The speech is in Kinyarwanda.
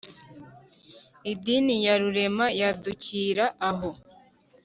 Idini ya Rurema yadukira aho.